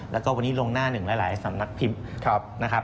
และวันนี้ลงหน้าหนึ่งหลายสำนักพิมพ์